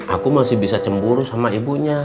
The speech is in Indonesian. aku masih bisa cemburu sama ibunya